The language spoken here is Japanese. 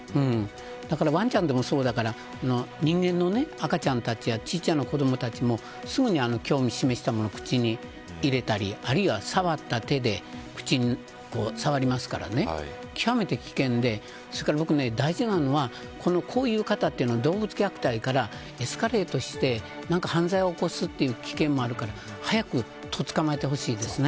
ワンちゃんでも、そうだから人間の赤ちゃんたちや小さな子どもたちもすぐに興味を示したものを口に入れたりあるいは触った手で口を触りますから極めて危険で大事なのはこういう方というのは動物虐待からエスカレートして何か犯罪を起こす危険もあるから早くとっつかまえてほしいですね。